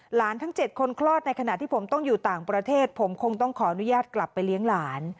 ทั้ง๗คนคลอดในขณะที่ผมต้องอยู่ต่างประเทศผมคงต้องขออนุญาตกลับไปเลี้ยงหลาน